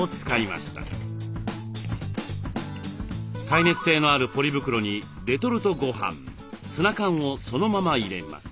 耐熱性のあるポリ袋にレトルトごはんツナ缶をそのまま入れます。